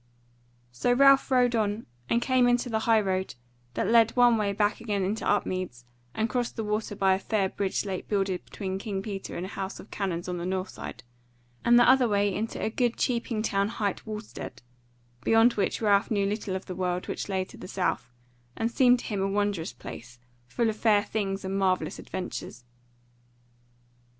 So Ralph rode on, and came into the high road, that led one way back again into Upmeads, and crossed the Water by a fair bridge late builded between King Peter and a house of Canons on the north side, and the other way into a good cheaping town hight Wulstead, beyond which Ralph knew little of the world which lay to the south, and seemed to him a wondrous place, full of fair things and marvellous adventures.